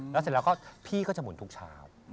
แล้วเสร็จแล้วก็พี่ก็จะหมุนทุกเช้า